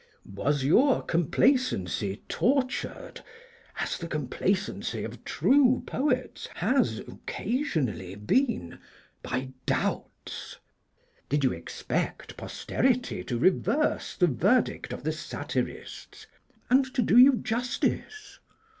Was your complacency tortured, as the complacency of true poets has occasionally been, by doubts? Did you expect posterity to reverse the verdict of the satirists, and to do you justice?